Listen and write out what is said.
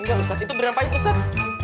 enggak ustaz itu beneran pahit ustaz